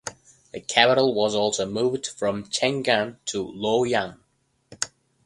The capital was also moved from Chang'an to Luoyang.